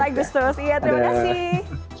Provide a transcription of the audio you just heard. agustus iya terima kasih